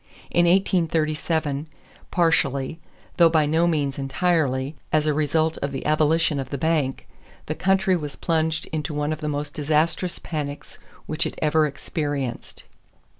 In 1837, partially, though by no means entirely, as a result of the abolition of the bank, the country was plunged into one of the most disastrous panics which it ever experienced.